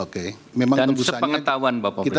dan sepengetahuan bapak presiden